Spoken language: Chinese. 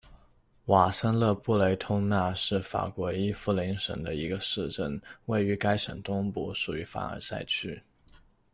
瓦森勒布雷通讷是法国伊夫林省的一个市镇，位于该省东部，属于凡尔赛区。